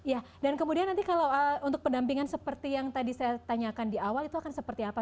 ya dan kemudian nanti kalau untuk pendampingan seperti yang tadi saya tanyakan di awal itu akan seperti apa